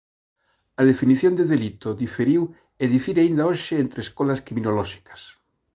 A definición de delito diferiu e difire aínda hoxe entre escolas criminolóxicas.